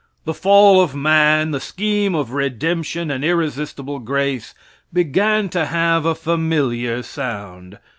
The fall of man, the scheme of redemption and irresistible grace, began to have a familiar sound.